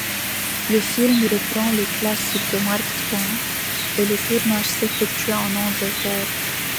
Le film reprend le classique de Mark Twain et le tournage s'effectue en Angleterre.